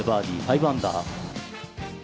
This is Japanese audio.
５アンダー。